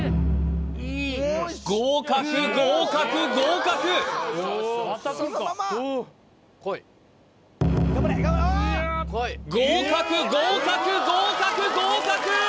合格合格合格合格合格合格合格！